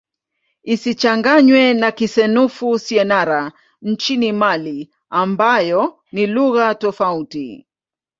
Isichanganywe na Kisenoufo-Syenara nchini Mali ambayo ni lugha tofauti.